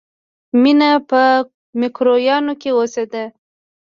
مینه په مکروریانو کې اوسېده